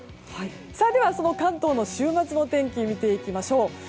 では、関東の週末の天気を見ていきましょう。